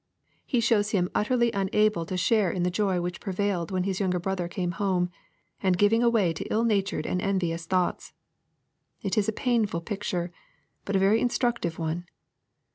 He shows him utterly unable to share in the joy which prevailed when his younger brother came home, and giving away to ill natured and envious thoughts. It is a painful picture, but a very instructive one.